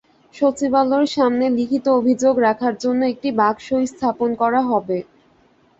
সচিবালয়ের সামনে লিখিত অভিযোগ রাখার জন্য একটি বাক্সও স্থাপন করা হবে।